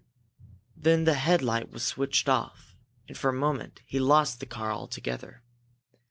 Then the headlight was switched off, and for a moment he lost the car altogether.